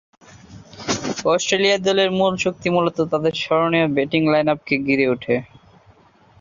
Australia দলের মূল শক্তি মূলতঃ তাঁদের স্মরণীয় ব্যাটিং লাইন-আপকে ঘিরে গড়ে উঠে।